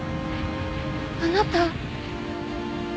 あなた。